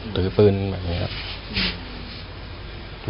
หรือพื้นอย่างนี้ครับ